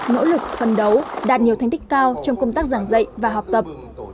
nỗ lực phân đấu đạt nhiều thành tích cao trong công tác giảng dạy và học tập